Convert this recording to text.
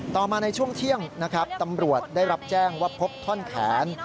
ต่อมาในช่วงเที่ยงนะครับตำรวจได้รับแจ้งว่าพบท่อนแขน